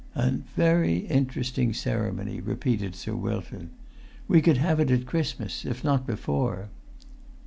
"A very interesting ceremony," repeated Sir Wilton. "We could have it at Christmas, if not before."